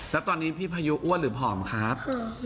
แล้วตอนนี้พี่พายุอ้วนหรือผอมครับ